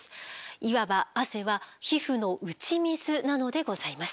いわば汗は皮膚の打ち水なのでございます。